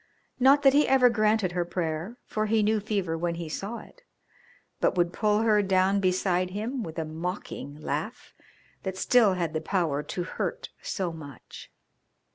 Not that he ever granted her prayer, for he knew fever when he saw it, but would pull her down beside him with a mocking laugh that still had the power to hurt so much.